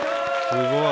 すごい！